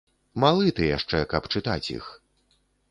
Малы ты яшчэ, каб чытаць іх.